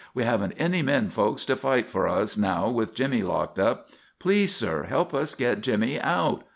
We haven't any men folks to fight for us now with Jimmy locked up. Please, sir, help us get Jimmy out!